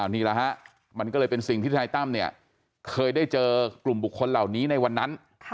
นี่แหละฮะมันก็เลยเป็นสิ่งที่ทนายตั้มเนี่ยเคยได้เจอกลุ่มบุคคลเหล่านี้ในวันนั้น